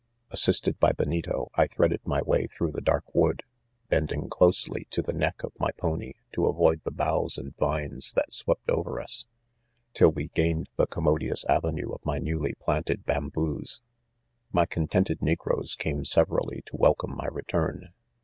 — Assisted by Benito, I threaded my way through the dark wood, bending closely to the neck of my pony, to avoid the boughs and vines that swept over us, till we gained the commodi ous avenue of my newly planted bamboos. " My contented negroes came severally to welcome my return.